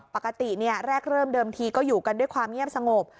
ปกติแรกเริ่มเดิมทีก็อยู่กันด้วยความเงียบสงบ